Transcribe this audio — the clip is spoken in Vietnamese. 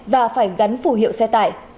và phải gắn phủ hiệu xe tải